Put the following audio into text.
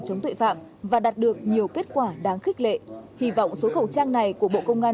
chống tội phạm và đạt được nhiều kết quả đáng khích lệ hy vọng số khẩu trang này của bộ công an